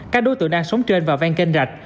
các đối tượng đang sống trên và ven kênh rạch